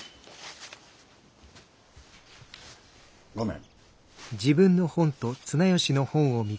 ごめん。